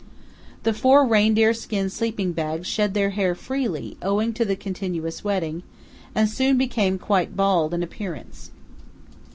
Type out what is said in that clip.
The four reindeer skin sleeping bags shed their hair freely owing to the continuous wetting, and soon became quite bald in appearance.